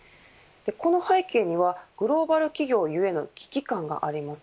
この背景にはグローバル企業ゆえの危機感があります。